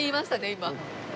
今。